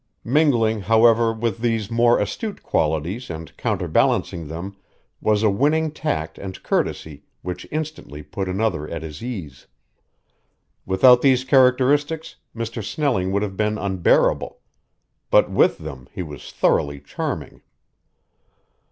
Mingling, however, with these more astute qualities and counterbalancing them was a winning tact and courtesy which instantly put another at his ease. Without these characteristics Mr. Snelling would have been unbearable; but with them he was thoroughly charming.